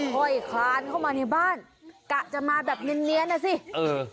ค่อยคลานเข้ามาในบ้านกะจะมาแบบเนียนเนียนนะสิเออ